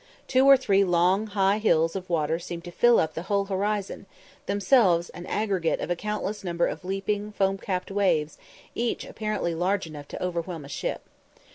Two or three long high hills of water seemed to fill up the whole horizon, themselves an aggregate of a countless number of leaping, foam capped waves, each apparently large enough to overwhelm a ship.